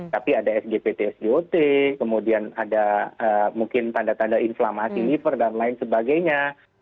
tapi ada sgpt sgot kemudian ada mungkin tanda tanda inflamasi liver dan lain sebagainya